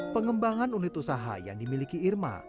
pengembangan unit usaha yang dimiliki irma